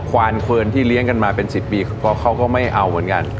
วานเคนที่เลี้ยงกันมาเป็น๑๐ปีเขาก็ไม่เอาเหมือนกัน